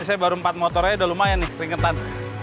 saya baru empat motor aja udah lumayan nih keringetan